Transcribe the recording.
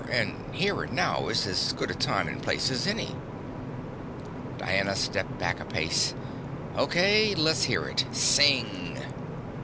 And here and now is as good a time and place as any." Diana stepped back a pace. "Okay, let's hear it. Sing!"